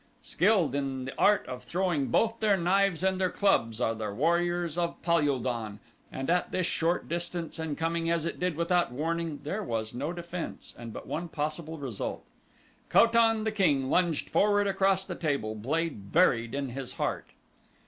Skilled in the art of throwing both their knives and their clubs are the warriors of Pal ul don and at this short distance and coming as it did without warning there was no defense and but one possible result Ko tan, the king, lunged forward across the table, the blade buried in his heart.